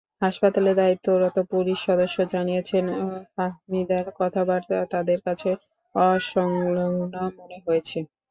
হাসপাতালে দায়িত্বরত পুলিশ সদস্য জানিয়েছেন, ফাহমিদার কথাবার্তা তাঁদের কাছে অসংলগ্ন মনে হয়েছে।